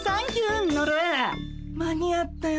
間に合ったよ